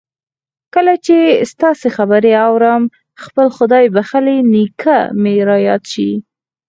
کله چې ستاسې خبرې آورم خپل خدای بخښلی نېکه مې را یاد شي